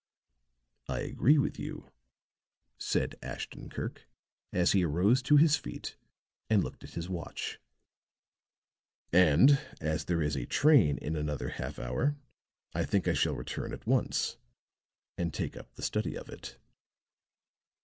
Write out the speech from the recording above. "I agree with you," said Ashton Kirk, as he arose to his feet and looked at his watch, "and as there is a train in another half hour I think I shall return at once and take up the study of it.